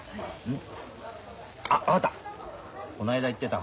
ん？